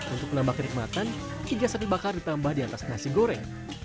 untuk menambah kenikmatan tiga sate bakar ditambah di atas nasi goreng